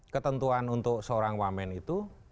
ketentuan untuk seorang wamen itu